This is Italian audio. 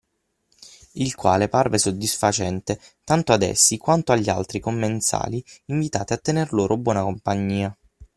Il quale parve soddisfacente tanto ad essi quanto agli altri commensali invitati a tener loro buona compagnia.